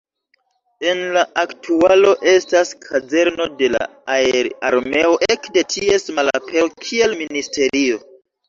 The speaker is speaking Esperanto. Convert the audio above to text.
En la aktualo estas kazerno de la Aer-Armeo, ekde ties malapero kiel ministerio.